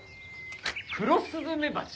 クロスズメバチ。